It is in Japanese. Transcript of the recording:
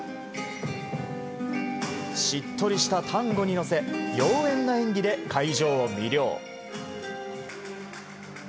しっとりしたタンゴに乗せ妖艶な演技で会場を魅了。